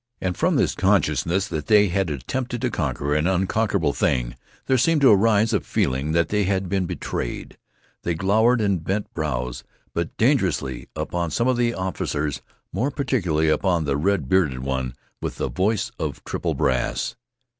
And from this consciousness that they had attempted to conquer an unconquerable thing there seemed to arise a feeling that they had been betrayed. They glowered with bent brows, but dangerously, upon some of the officers, more particularly upon the red bearded one with the voice of triple brass.